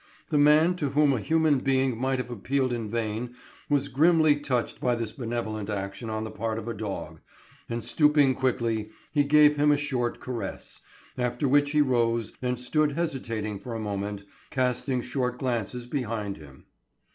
The man, to whom a human being might have appealed in vain, was grimly touched by this benevolent action on the part of a dog, and stooping quickly, he gave him a short caress, after which he rose and stood hesitating for a moment, casting short glances behind him.